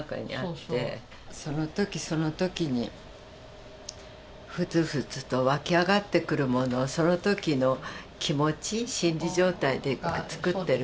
その時その時にふつふつと湧き上がってくるものをその時の気持ち心理状態で作ってるから。